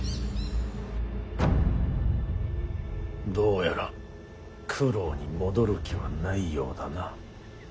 どうやら九郎に戻る気はないようだな。